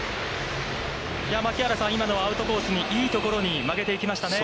槙原さん、今のはアウトコースに、いいところに曲げていきましたね。